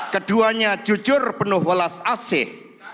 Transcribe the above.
keduanya jujur penuh walas asih